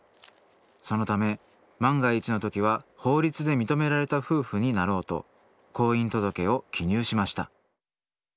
そのため万が一の時は法律で認められた夫婦になろうと婚姻届を記入しました。